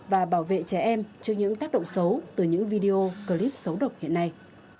và bảo vệ trẻ em trước những tác động xấu từ những video clip xấu độc hiện nay